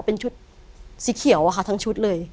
เป็นชุดสีเขียวอะค่ะทั้งชุดเลย